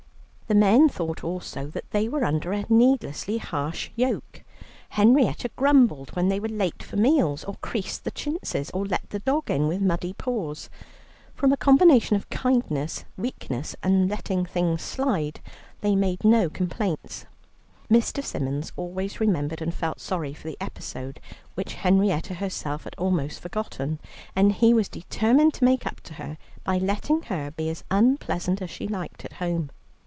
The men thought also that they were under a needlessly harsh yoke. Henrietta grumbled when they were late for meals, or creased the chintzes, or let the dog in with muddy paws. From a combination of kindness, weakness, and letting things slide, they made no complaints. Mr. Symons always remembered and felt sorry for the episode which Henrietta herself had almost forgotten, and he was determined to make up to her by letting her be as unpleasant as she liked at home.